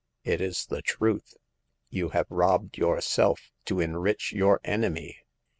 ''" It is the truth ! You have robbed yourself to enrich your enemy